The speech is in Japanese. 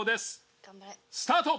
スタート！